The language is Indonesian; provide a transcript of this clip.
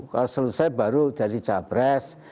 kalau selesai baru jadi capres